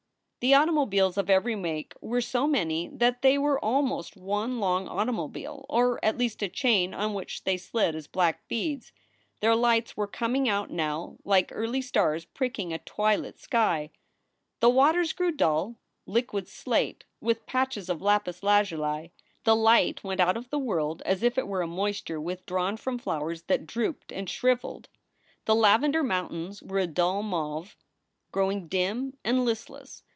The automobiles of every make were so many that they were almost one long automobile, or at least a chain on which they slid as black beads. Their lights were coming out now like early stars pricking a twilit sky. The waters grew dull, liquid slate, with patches of lapis lazuli. The light went out of the world as if it were a moisture withdrawn from flowers that drooped and shriveled. The 278 SOULS FOR SALE lavender mountains were a dull mauve, growing dim and listless.